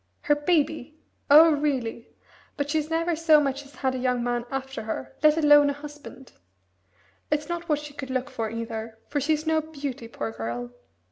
"Her baby? Oh, really! But she's never so much as had a young man after her, let alone a husband. It's not what she could look for, either, for she's no beauty poor girl!"